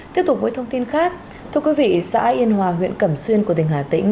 tiếp tục với thông tin khác thưa quý vị xã yên hòa huyện cẩm xuyên của tỉnh hà tĩnh